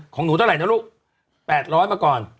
ของหนูเท่าไหร่นะลูก๘๐๐มาก่อน